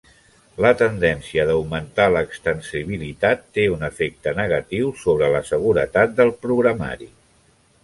La tendència d'augmentar l'extensibilitat té un efecte negatiu sobre la seguretat del programari.